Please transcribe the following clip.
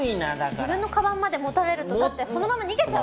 自分のカバンまで持たれるとだってそのまま逃げちゃう。